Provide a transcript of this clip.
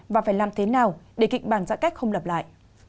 và phải làm thế nào để kịnh bàn giãn cách không lặp lại